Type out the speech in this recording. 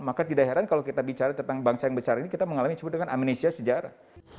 maka tidak heran kalau kita bicara tentang bangsa yang besar ini kita mengalami sebut dengan amnesia sejarah